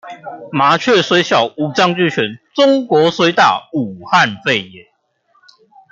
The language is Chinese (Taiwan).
麻雀雖小，五臟俱全；中國雖大，武漢肺炎